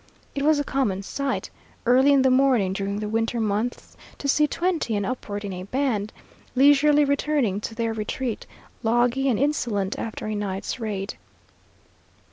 It was a common sight, early in the morning during the winter months, to see twenty and upward in a band, leisurely returning to their retreat, logy and insolent after a night's raid.